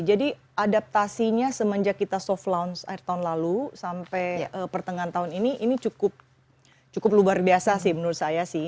jadi adaptasinya semenjak kita soft launch akhir tahun lalu sampai pertengahan tahun ini ini cukup luar biasa sih menurut saya sih